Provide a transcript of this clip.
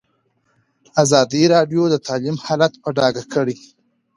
ازادي راډیو د تعلیم حالت په ډاګه کړی.